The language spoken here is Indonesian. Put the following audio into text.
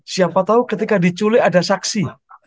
siapa tahu ketika diculik ada saksi